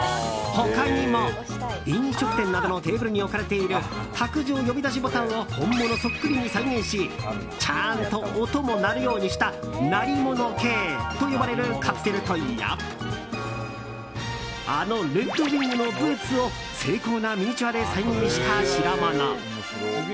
他にも、飲食店などのテーブルに置かれている卓上呼び出しボタンを本物そっくりに再現しちゃんと音も鳴るようにした鳴り物系と呼ばれるカプセルトイやあのレッドウィングのブーツを精巧なミニチュアで再現した代物。